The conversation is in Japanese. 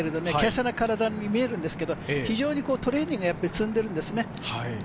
華奢な体に見えるんですけれど、非常にトレーニングを積んでるんですね。